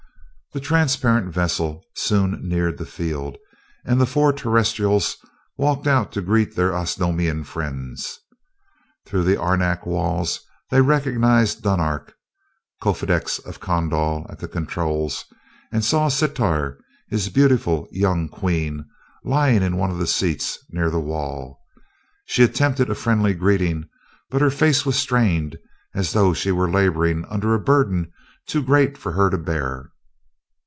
The transparent vessel soon neared the field and the four Terrestrials walked out to greet their Osnomian friends. Through the arenak walls they recognized Dunark, Kofedix of Kondal, at the controls, and saw Sitar, his beautiful young queen, lying in one of the seats near the wall. She attempted a friendly greeting, but her face was strained as though she were laboring under a burden too great for her to bear.